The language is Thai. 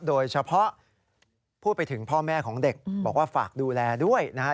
โดยเฉพาะพูดไปถึงพ่อแม่ของเด็กบอกว่าฝากดูแลด้วยนะฮะ